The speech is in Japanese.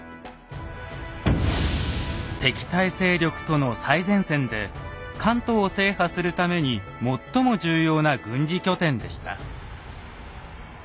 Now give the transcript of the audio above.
敵対勢力との最前線で関東を制覇するために最も重要な軍事拠点でした。